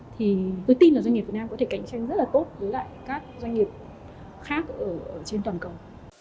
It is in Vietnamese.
thì tôi tin doanh nghiệp việt nam có thể cạnh tranh rất là tốt với các doanh nghiệp khác trên toàn cầu